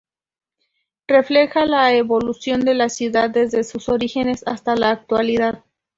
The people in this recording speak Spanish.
Refleja la evolución de la ciudad desde sus orígenes hasta la actualidad.